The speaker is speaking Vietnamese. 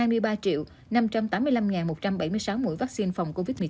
với năm một trăm bảy mươi sáu mũi vaccine phòng covid một mươi chín